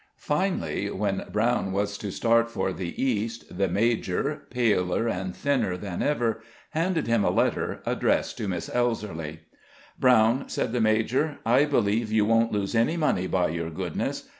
Finally, when Brown was to start for the East the major, paler and thinner than ever, handed him a letter addressed to Miss Elserly. "Brown," said the major, "I believe you won't lose any money by your goodness.